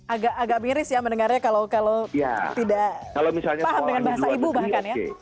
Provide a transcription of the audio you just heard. agak agak miris ya mendengarnya kalau tidak paham dengan bahasa ibu bahkan ya